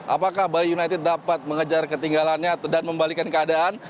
apakah bali united dapat mengejar ketinggalannya dan membalikan keadaan